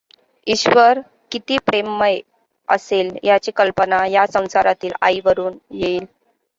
ईश्वर किती प्रेममय असेल ह्याची कल्पना ह्या संसारातील आईवरून येईल.